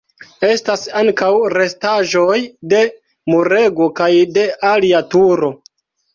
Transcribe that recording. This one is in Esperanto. Estas ankaŭ restaĵoj de murego kaj de alia turo.